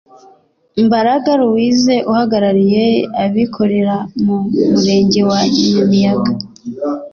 Mbaraga Louis uhagarariye abikorera mu Murenge wa Nyamiyaga